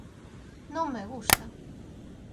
Non me gusta.